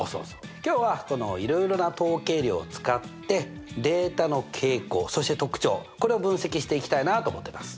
今日はいろいろな統計量を使ってデータの傾向そして特徴これを分析していきたいなと思ってます。